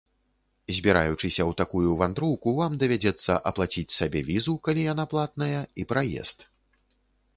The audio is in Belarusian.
Збіраючыся ў такую вандроўку, вам давядзецца аплаціць сабе візу, калі яна платная, і праезд.